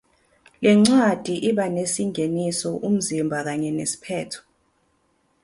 Le ncwadi iba nesingeniso umzimba kanye nesiphetho.